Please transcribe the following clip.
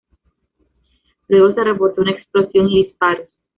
Luego se reportó una explosión y disparos.